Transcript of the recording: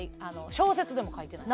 小説でも書いてない。